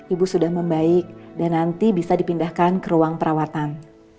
ibu sudah membaik dan nanti bisa dipindahkan ke ruang perawatan